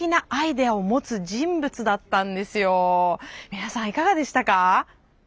皆さんいかがでしたか？